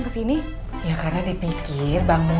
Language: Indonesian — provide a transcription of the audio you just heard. pendapat warga teh terpecah belam mpo